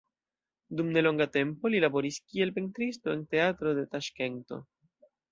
Dum nelonga tempo li laboris kiel pentristo en teatro de Taŝkento.